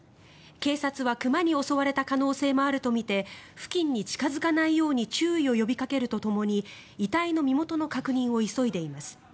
警察は熊に襲われた可能性もあるとみて付近に近付かないように注意を呼びかけるとともに遺体の身元の確認を急いでいます。